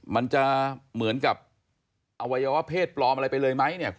มันจะเหมือนกับอวัยวะเพศปลอมอะไรไปเลยไหมเนี่ย